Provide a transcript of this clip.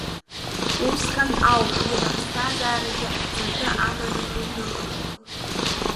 Усҟан ауп иара иԥсҭазаарагьы аҵакы аманы ианыҟало.